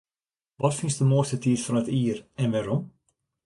Wat fynst de moaiste tiid fan it jier en wêrom?